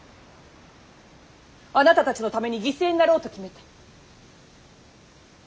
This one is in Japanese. あなたたちのために犠牲になろうと決めた。